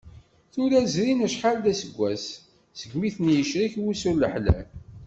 Tura zrin acḥal d aseggas, segmi ten-yecrek wusu n leḥlal.